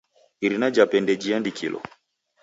Irina jape ndejiandikilo.